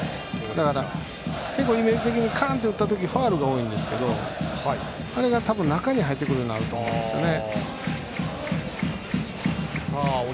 だからイメージ的にカーンと打った時にファウルが多いんですけどあれが中に入ってくるようになると思うんですね。